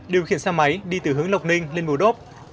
điều khiển xe máy đi từ hướng lộc ninh lên bù đốp